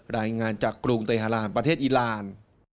รายงานจากกรุงเตฮาลานประเทศอีลาน